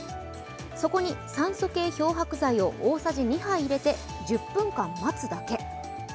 そこに酸素系漂白剤を大さじ２杯入れて１０分間待つだけ。